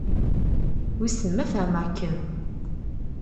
Wissen ma fehmeɣ-kem?